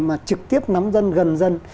mà trực tiếp nắm dân gần dân